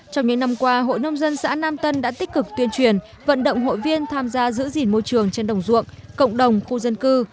trong những năm qua hội nông dân xã nam tân đã tích cực tuyên truyền vận động hội viên tham gia giữ gìn môi trường trên đồng ruộng cộng đồng khu dân cư